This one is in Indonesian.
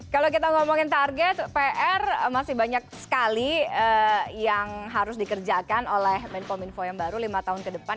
kalau kita ngomongin target pr masih banyak sekali yang harus dikerjakan oleh menkom info yang baru lima tahun ke depan